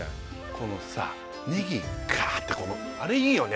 このさねぎガーッってあれいいよね